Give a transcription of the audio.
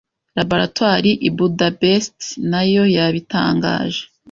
Laboratwari i Budapest nayo yabitangaje